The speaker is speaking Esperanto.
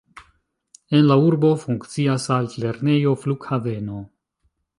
En la urbo funkcias altlernejo, flughaveno.